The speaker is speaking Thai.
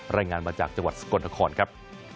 รายงานมาจากจังหวัดสกลนครครับ